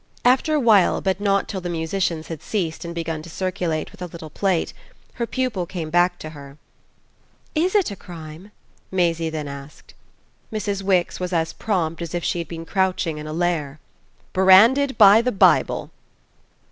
After a while, but not till the musicians had ceased and begun to circulate with a little plate, her pupil came back to her. "IS it a crime?" Maisie then asked. Mrs. Wix was as prompt as if she had been crouching in a lair. "Branded by the Bible."